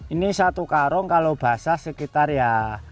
ini satu karung kalau basah sekitar ya delapan puluh lima